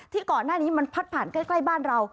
ก่อนหน้านี้มันพัดผ่านใกล้บ้านเรา